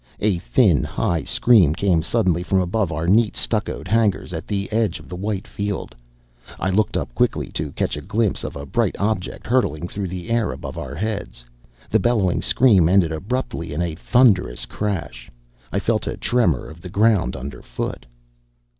A thin, high scream came suddenly from above our neat stuccoed hangars at the edge of the white field. I looked up quickly, to catch a glimpse of a bright object hurtling through the air above our heads. The bellowing scream ended abruptly in a thunderous crash. I felt a tremor of the ground underfoot.